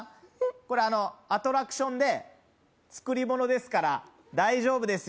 これあのアトラクションで作りものですから大丈夫ですよ